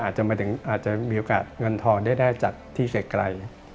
อาจจะมีโอกาสเงินทอนได้จากที่ไกล